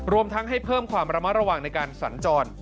รวมทั้งให้เพิ่มความระมัดระวังในการสัญจร